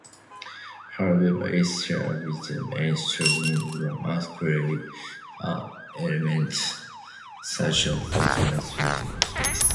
However, it shares with mainstream Romanesque art elements such as the treatment of space.